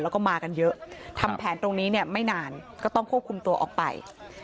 แล้วก็มากันเยอะทำแผนตรงนี้เนี่ยไม่นานก็ต้องควบคุมตัวออกไป